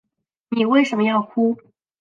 妳为什么要哭